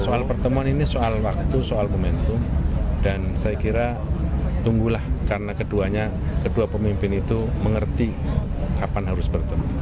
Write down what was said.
soal pertemuan ini soal waktu soal momentum dan saya kira tunggulah karena kedua pemimpin itu mengerti kapan harus bertemu